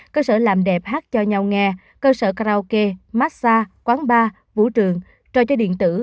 cơ sở làm đẹp hát cho nhau nghe cơ sở karaoke massage quán bar vũ trường trò chơi điện tử